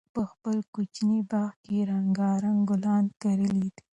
موږ په خپل کوچني باغ کې رنګارنګ ګلان کرلي دي.